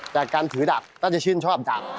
แต่การถือดับก็จะชื่นชอบดับ